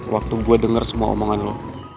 waktu gue dengar semua omongan lo